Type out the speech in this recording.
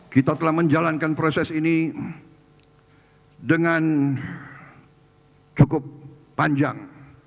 kita telah menjalankan proses ini dengan cukup panjang